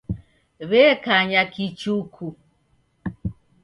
W'ekanya kichuku.